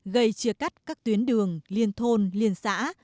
gây chia cắt các tuyến đường liên thôn liên xã